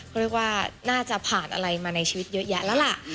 เขาเรียกว่าน่าจะผ่านอะไรมาในชีวิตเยอะแยะแล้วล่ะ